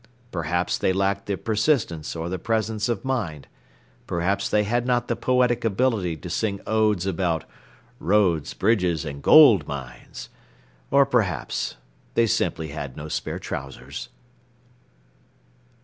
Perhaps they lacked the persistence or the presence of mind, perhaps they had not the poetic ability to sing odes about "roads, bridges and gold mines" or perhaps they simply had no spare trousers.